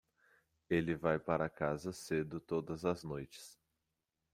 Ele vai para casa cedo todas as noites.